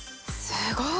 すごい！